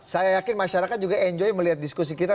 saya yakin masyarakat juga enjoy melihat diskusi kita